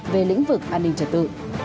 về lĩnh vực an ninh trật tự